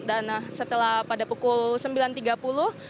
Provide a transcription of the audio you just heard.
dan setelah pada pukul sembilan tiga puluh